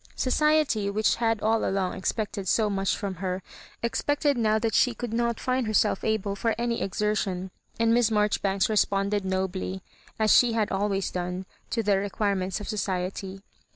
Society, which had all along expected so much from her, expected now that she could not find herself able for any exertion; and Miss Marjori banks responded nobly, as she had always done, to the requirements of society.